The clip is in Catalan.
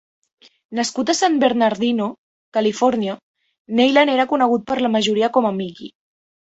Nascut a San Bernardino, Califòrnia, Neilan era conegut per la majoria com a Mickey.